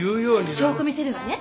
証拠見せるわね。